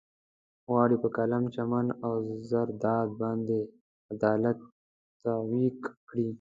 غواړي په قلم، چمن او زرداد باندې عدالت تطبيق کړي.